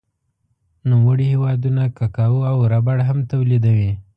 نوموړی هېوادونه کاکاو او ربړ هم تولیدوي.